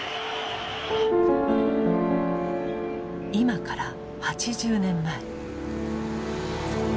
今から８０年前。